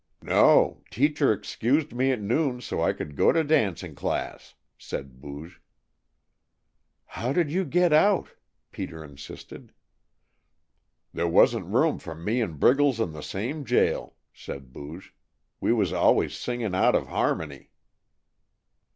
"No, teacher excused me at noon so I could go to dancing class," said Booge. "How did you get out?" Peter insisted. "There wasn't room for me and Briggles in the same jail," said Booge. "We was always singin' out of harmony."